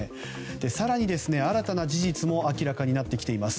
更に新たな事実も明らかになってきています。